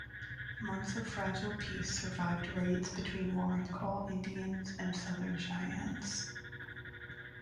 Months of fragile peace survived raids between warring Kaw Indians and Southern Cheyennes.